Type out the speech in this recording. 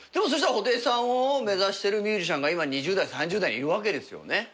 そしたら布袋さんを目指してるミュージシャンが今２０代３０代にいるわけですよね。